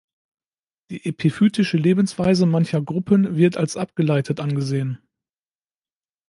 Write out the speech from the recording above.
Die epiphytische Lebensweise mancher Gruppen wird als abgeleitet angesehen.